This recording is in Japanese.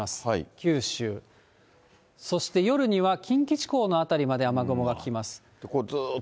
九州、そして夜には近畿地方の辺りまで雨雲が来ます。